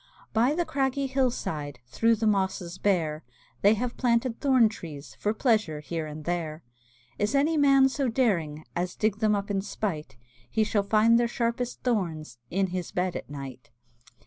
By the craggy hill side, Through the mosses bare, They have planted thorn trees For pleasure here and there. Is any man so daring As dig them up in spite, He shall find their sharpest thorns In his bed at night.